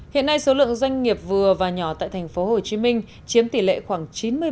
hiện nay số lượng doanh nghiệp vừa và nhỏ tại tp hcm chiếm tỷ lệ khoảng chín mươi